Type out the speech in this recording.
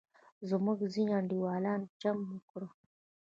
زموږ ځینې انډیوالان چم وکړ.